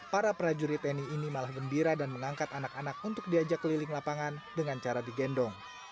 para prajurit tni ini malah gembira dan mengangkat anak anak untuk diajak keliling lapangan dengan cara digendong